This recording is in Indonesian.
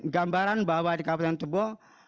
gambaran bahwa di kabupaten tebo